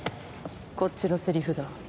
こっちのセリフだ！